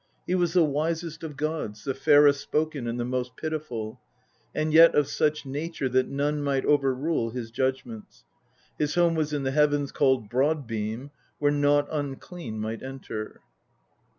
He was the wisest of gods, the fairest spoken and the most pitiful, and yet of such nature that none might overrule his judgments. His home was in the heavens called Broad beam, where nought unclean might enter."